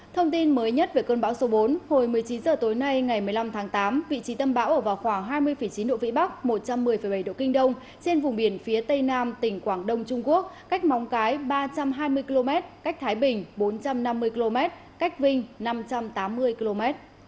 thông tin mới nhất về cơn bão số bốn hồi một mươi chín h tối nay ngày một mươi năm tháng tám vị trí tâm bão ở vào khoảng hai mươi chín độ vĩ bắc một trăm một mươi bảy độ kinh đông trên vùng biển phía tây nam tỉnh quảng đông trung quốc cách móng cái ba trăm hai mươi km cách thái bình bốn trăm năm mươi km cách vinh năm trăm tám mươi km